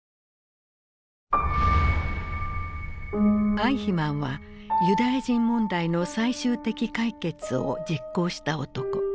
アイヒマンは「ユダヤ人問題の最終的解決」を実行した男。